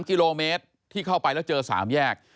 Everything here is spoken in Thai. กิโลเมตรที่เข้าไปแล้วเจอ๓แยก